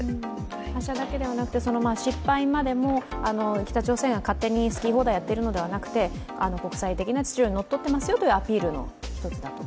発射だけではなくて失敗までも北朝鮮が勝手に好き放題やっているのではなくて、国際的な秩序にのっとっていますよというアピールの一つだったと。